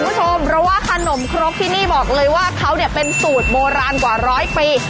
คุณผู้ชมเพราะว่าขนมครกที่นี่บอกเลยว่าเขาเนี่ยเป็นสูตรโบราณกว่าร้อยปี